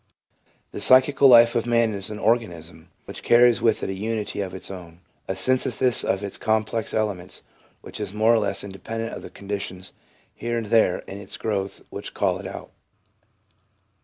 The psychical life of man is an organism which carries with it a unity of its own, a synthesis of its complex elements which is more or less independent of the conditions here and there in its growth which call it out.